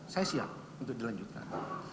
saya siap untuk dilanjutkan